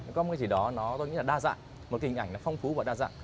có một cái gì đó nó tôi nghĩ là đa dạng một kinh ảnh nó phong phú và đa dạng